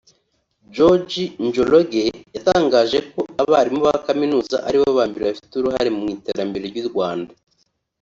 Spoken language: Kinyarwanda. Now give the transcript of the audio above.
George Njoroge yatangaje ko abarimu ba Kaminuza ari bo ba mbere bafite uruhare mu iterambere ry’ u Rwanda